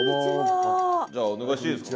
じゃあお願いしていいですか。